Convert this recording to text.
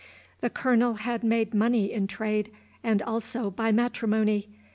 The Colonel had made money in trade, and also by matrimony.